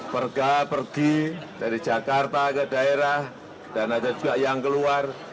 perga pergi dari jakarta ke daerah dan ada juga yang keluar